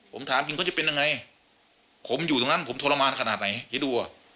ผมถามจริงเขาจะเป็นยังไงผมอยู่ตรงนั้นผมทรมานขนาดไหนให้ดูอ่ะ